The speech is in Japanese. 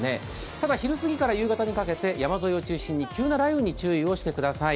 ただ、昼過ぎから夕方にかけて、山沿いを中心に急な雷雨に注意をしてください。